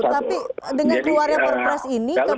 tapi dengan keluarnya perpres ini